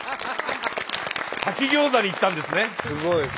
炊きギョーザに行ったんですね。